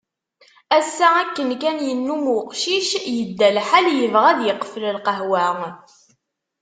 Ass-a akken kan yennum uqcic, yedda lḥal yebɣa ad iqfel lqahwa.